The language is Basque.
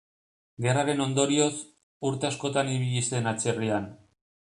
Gerraren ondorioz, urte askotan ibili zen atzerrian.